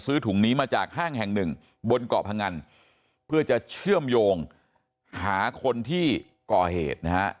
ถุงนี้มาจากห้างแห่งหนึ่งบนเกาะพงันเพื่อจะเชื่อมโยงหาคนที่ก่อเหตุนะฮะ